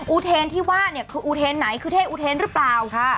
อุเทนที่ว่าเนี่ยคืออุเทนไหนคือเท่อุเทนหรือเปล่า